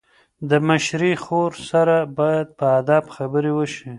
د مشرې خور سره باید په ادب خبرې وشي.